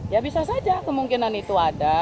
ya bisa saja kemungkinan itu ada